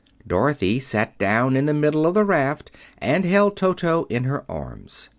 Dorothy sat down in the middle of the raft and held Toto in her arms.